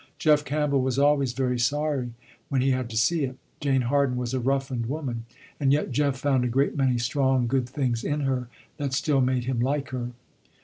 Jeff Campbell was always very sorry when he had to see it. Jane Harden was a roughened woman, and yet Jeff found a great many strong good things in her, that still made him like her.